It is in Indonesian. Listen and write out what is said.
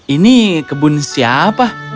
ini kebun siapa